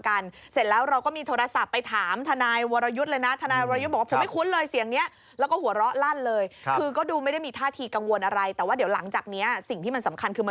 เพราะก็เลยไม่ได้ตั้งใจซื้อ